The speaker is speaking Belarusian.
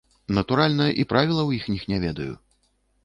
Натуральна, і правілаў іхніх не ведаю.